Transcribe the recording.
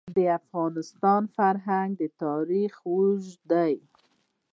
د افغانستان فرهنګ د تاریخ زېږنده دی.